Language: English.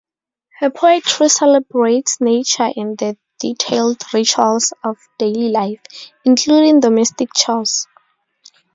Her poetry celebrates nature and the detailed rituals of daily life, including domestic chores.